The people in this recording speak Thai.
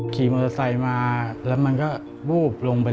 ขี่มอเตอร์ไซค์มาแล้วมันก็วูบลงไป